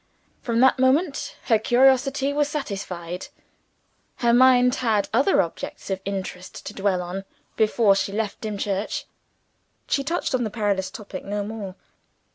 From that moment, her curiosity was satisfied. Her mind had other objects of interest to dwell on, before she left Dimchurch. She touched on the perilous topic no more.